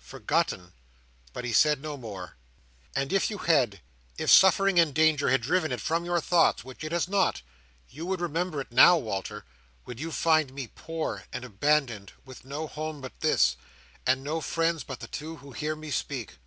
"Forgotten!" But he said no more. "And if you had—if suffering and danger had driven it from your thoughts—which it has not—you would remember it now, Walter, when you find me poor and abandoned, with no home but this, and no friends but the two who hear me speak!"